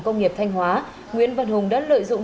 công nghiệp thanh hóa nguyễn văn hùng đã lợi dụng